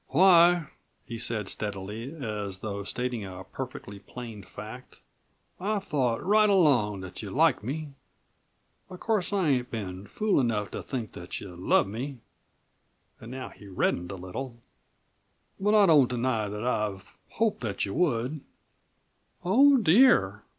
"Why," he said steadily, as though stating a perfectly plain fact, "I've thought right along that you liked me. Of course I ain't been fool enough to think that you loved me" and now he reddened a little , "but I don't deny that I've hoped that you would." "Oh, dear!"